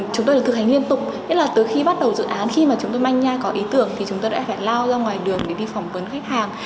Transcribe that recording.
chúng tôi được thực hành liên tục nhất là từ khi bắt đầu dự án khi mà chúng tôi manh nha có ý tưởng thì chúng tôi đã phải lao ra ngoài đường để đi phỏng vấn khách hàng